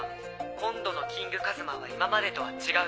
今度のキングカズマは今までとは違う。